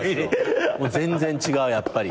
全然違うやっぱり。